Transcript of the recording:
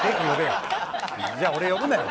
じゃあ俺呼ぶなよ。